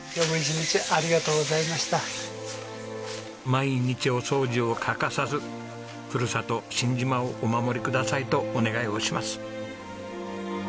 毎日お掃除を欠かさずふるさと新島をお守りくださいとお願いをします。